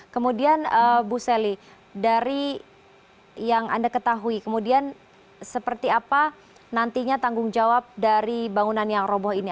kemudian bu sally dari yang anda ketahui kemudian seperti apa nantinya tanggung jawab dari bangunan yang roboh ini